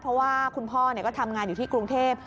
เพราะว่าคุณพ่อก็ทำงานอยู่ที่กรุงเทพ